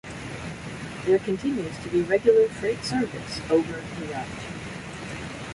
There continues to be regular freight service over the route.